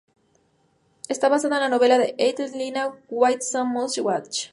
Está basada en la novela de Ethel Lina, "White Some Must Watch".